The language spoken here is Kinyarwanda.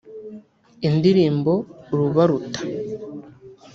Indirimbo Urabaruta